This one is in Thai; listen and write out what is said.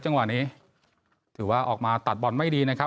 จังหวะนี้ถือว่าออกมาตัดบอลไม่ดีนะครับ